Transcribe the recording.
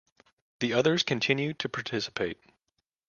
The others continue to participate.